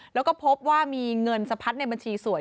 แล้วก็พบว่ามีเงินสะพัดในบัญชีสวย